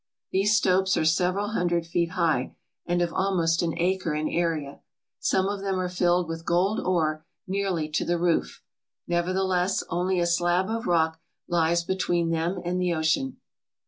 These stopes are several hundred feet high, and of almost an acre in area. Some of them are filled with gold ore nearly to the roof. Nevertheless, only a slab of rock lies between them and the ocean.